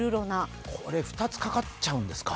これ２つかかっちゃうんですか。